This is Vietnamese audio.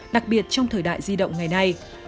đặc biệt trong thời đại di động ngày nay